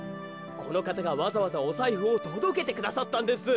このかたがわざわざおさいふをとどけてくださったんです。